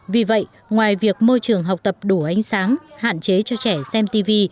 vì vậy ngoài việc môi trường học tập đủ ánh sáng hạn chế cho trẻ xem tv